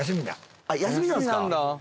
休みなんすか？